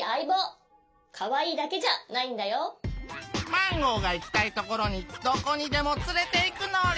マンゴーがいきたいところにどこにでもつれていくのぉり。